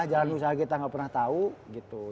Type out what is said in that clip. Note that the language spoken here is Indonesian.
jalan usaha kita gak pernah tau